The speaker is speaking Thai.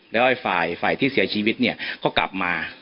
แล้วฝ่ายที่เสียชีวิตเนี่ยก็กลับมา